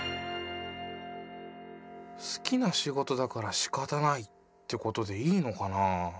好きな仕事だからしかたないってことでいいのかなぁ。